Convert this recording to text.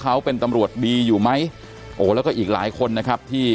เขาเป็นตำรวจดีอยู่ไหมโอ้แล้วก็อีกหลายคนนะครับที่